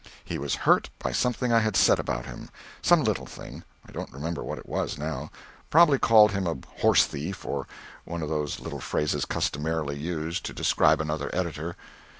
He was hurt by something I had said about him some little thing I don't remember what it was now probably called him a horse thief, or one of those little phrases customarily used to describe another editor.